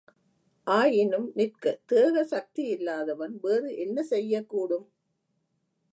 ஆயினும் நிற்க தேக சக்தியில்லாதவன் வேறு என்ன செய்யக்கூடும்?